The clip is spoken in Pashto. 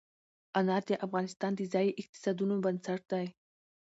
انار د افغانستان د ځایي اقتصادونو بنسټ دی.